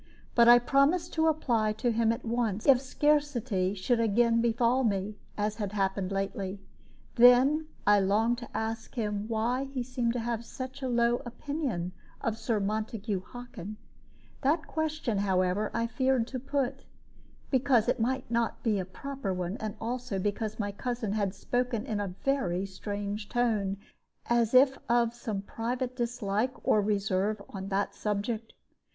But I promised to apply to him at once if scarcity should again befall me, as had happened lately. And then I longed to ask him why he seemed to have so low an opinion of Sir Montague Hockin. That question, however, I feared to put, because it might not be a proper one, and also because my cousin had spoken in a very strange tone, as if of some private dislike or reserve on that subject.